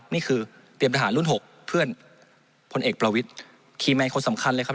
นี่คือเตรียมทหารรุ่น๖เพื่อนพลเอกประวิทย์ขี่แมนคนสำคัญเลยครับ